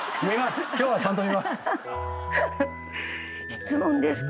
質問ですか？